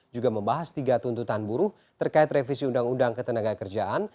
juga membahas tiga tuntutan buruh terkait revisi undang undang ketenaga kerjaan